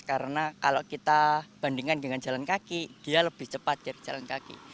karena kalau kita bandingkan dengan jalan kaki dia lebih cepat dari jalan kaki